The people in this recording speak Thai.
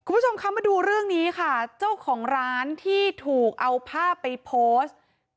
คุณผู้ชมคะมาดูเรื่องนี้ค่ะเจ้าของร้านที่ถูกเอาภาพไปโพสต์